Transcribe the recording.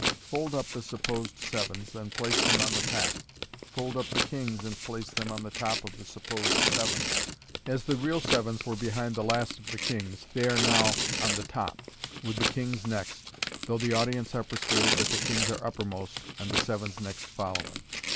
Fold up the supposed sevens, and place them on the pack Fold up the kings, and place them on the top of the supposed sevens As the real sevens were behind the last of the kings, they are now ol the top, with the kings next, though the audience are persuaded that the kings are uppermost, and the sevens next following.